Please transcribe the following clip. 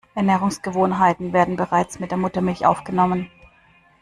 Ernährungsgewohnheiten werden bereits mit der Muttermilch aufgenommen.